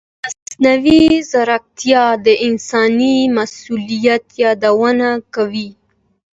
مصنوعي ځیرکتیا د انساني مسؤلیت یادونه کوي.